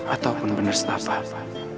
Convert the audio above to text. ataupun bener setapak